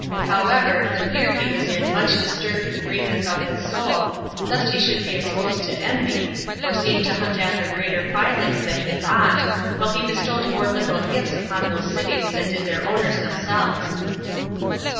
However, the fear he was in much disturbed the greatness of his soul, lest he should be exposed to envy, or seem to hunt after greater filings than he ought, while he bestowed more liberal gifts upon these cities than did their owners themselves.